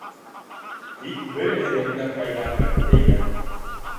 Тик береһенең дә файҙаһы теймәне.